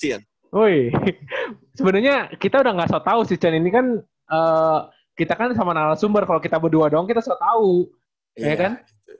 anda mendengar abastok season dua